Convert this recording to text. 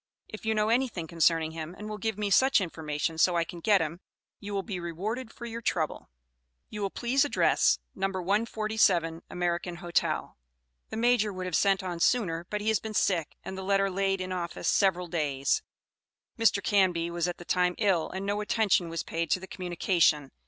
If you know anything concerning him and will give me such information so I can get him, you will be rewarded for your trouble. You will please address, No. 147 American Hotel. The Major would have sent on sooner but he has been sick, and the letter laid in Office several days. Mr. Canby was at the time ill, and no attention was paid to the communication.